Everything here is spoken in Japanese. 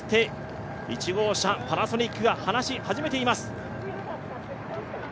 １号車パナソニックが離し始めています。